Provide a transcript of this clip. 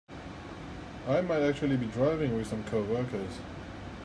I might actually be driving with some coworkers.